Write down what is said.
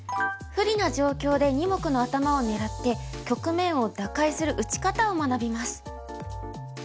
不利な状況で二目の頭を狙って局面を打開する打ち方を学びます。